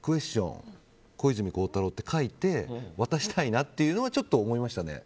小泉孝太郎って書いて渡したいなっていうのをちょっと思いました。